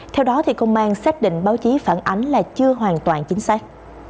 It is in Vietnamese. theo đó công an xác định báo chí phản ánh là chưa hoàn toàn chính xác